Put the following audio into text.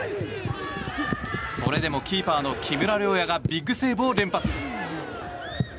それでもキーパーの木村凌也がビッグセーブを連発。